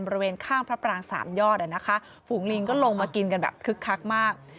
บริเวณข้างพระปรางสามยอดฝูงลิงก็ลงมากินกันแบบคึกคักมาก